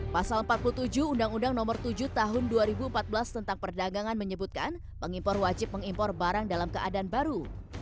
pasal empat puluh tujuh undang undang nomor tujuh tahun dua ribu empat belas tentang perdagangan menyebutkan pengimpor wajib mengimpor barang dalam keadaan baru